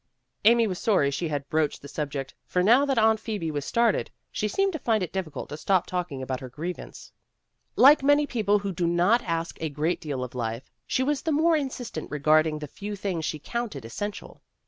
Amy was sorry she had broached the subject, for now that Aunt Phoebe was started, she seemed to find it difficult to stop talking about A TRIUMPH OP ART 45 her grievance. Like many people who do not ask a great deal of life, she was the more insis tent regarding the few things she counted es sential.